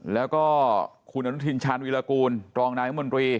แล้วก็คุณอนุทินชาญวิรากูลรองนายมนตรี